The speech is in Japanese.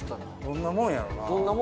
どんなもんやろうな？